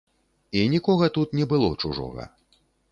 І нікога тут не было чужога.